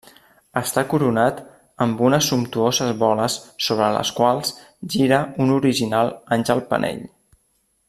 Està coronat amb unes sumptuoses boles sobre les quals gira un original Àngel penell.